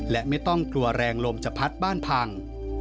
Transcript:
และไม่ต้องกลัวแรงลมจะพัดบ้านพัง